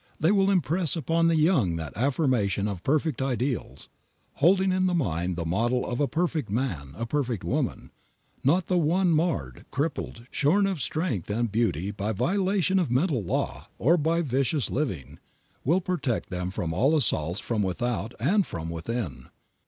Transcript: They will impress upon the young that affirmation of perfect ideals, holding in mind the model of a perfect man, a perfect woman, not the one marred, crippled, shorn of strength and beauty by violation of mental law, or by vicious living, will protect them from all assaults from without and from within.